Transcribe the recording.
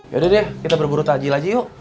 yaudah deh kita berburu takjil aja yuk